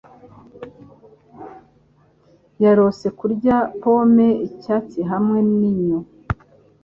Yarose kurya pome icyatsi hamwe ninyo.